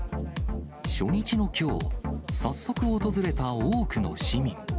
初日のきょう、早速訪れた多くの市民。